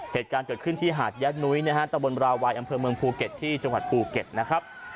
เหตุการณ์เกิดขึ้นที่หาดยะนุ้ยนะฮะตะบนบราวัยอำเภอเมืองภูเก็ตที่จังหวัดภูเก็ตนะครับ